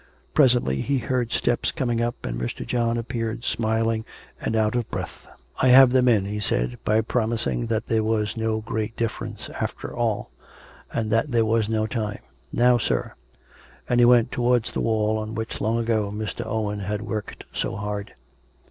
Presently he heard steps coming up, and Mr. John appeared smiling and out of breath. " I have them in," he said, " by promising that there was no great difference after all; and that there was no time. Now, sir " And he went towards the wall at which, long ago, Mr. Owen had worked so hard.